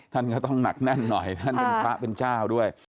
ท่านก็ต้องหนักแน่นหน่อยท่านเป็นพระเป็นเจ้าด้วย